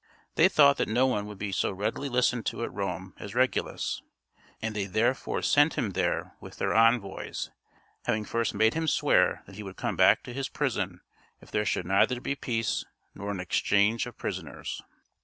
They thought that no one would be so readily listened to at Rome as Regulus, and they therefore sent him there with their envoys, having first made him swear that he would come back to his prison if there should neither be peace nor an exchange of prisoners.